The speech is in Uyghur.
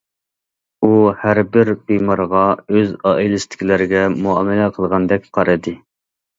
ئۇ ھەربىر بىمارغا ئۆز ئائىلىسىدىكىلەرگە مۇئامىلە قىلغاندەك قارىدى.